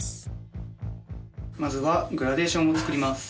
まずはグラデーションを作ります。